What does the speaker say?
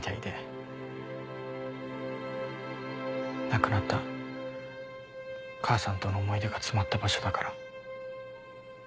亡くなった母さんとの思い出が詰まった場所だから。